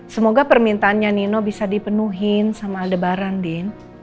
semoga permintaannya nino bisa dipenuhin sama aldebaran din